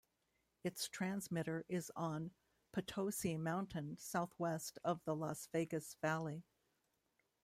Its transmitter is on Potosi Mountain southwest of the Las Vegas Valley.